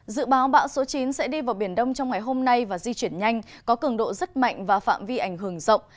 dự báo bão số chín sẽ đi vào biển đông trong ngày hôm nay và di chuyển nhanh có cường độ rất mạnh và phạm vi ảnh hưởng rộng